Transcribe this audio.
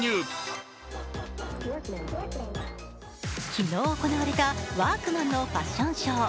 昨日行われたワークマンのファッションショー。